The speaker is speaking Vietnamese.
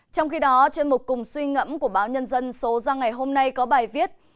trong khi đó chuyên mục cùng suy ngẫm của báo nhân dân số ra ngày hôm nay có bài viết